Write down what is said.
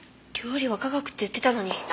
料理は科学って言ってたのに。